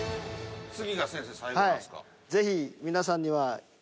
次が先生最後なんすか？